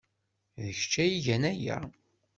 D kečč ay igan aya!